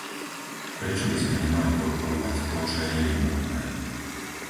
Prečo by sme nemali podporovať to, čo je nevyhnutné?